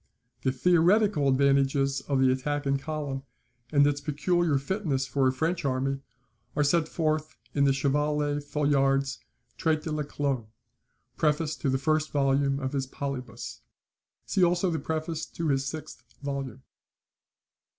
The THEORETICAL advantages of the attack in column, and its peculiar fitness for a French army, are set forth in the Chevalier Folard's "Traite de la Colonne," prefixed to the first volume of his "Polybius," See also the preface to his sixth volume.